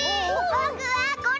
ぼくはこれ！